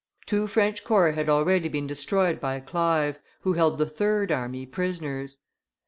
Two French corps had already been destroyed by Clive, who held the third army prisoners.